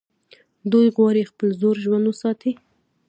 دوی غواړي خپل زوړ ژوند وساتي.